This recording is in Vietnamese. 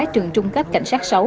trường trung cấp cảnh sát sáu